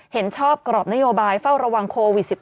เห็นชอบกรอบนโยบายเฝ้าระวังโควิด๑๙